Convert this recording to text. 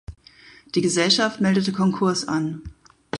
Die Gesellschaft meldete Konkurs an.